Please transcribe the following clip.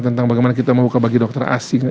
tentang bagaimana kita membuka bagi dokter asing